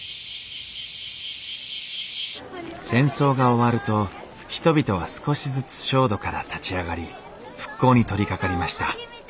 戦争が終わると人々は少しずつ焦土から立ち上がり復興に取りかかりました。